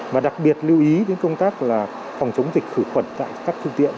và đặc biệt lưu ý đến công tác là phòng chống dịch khử khuẩn tại các phương tiện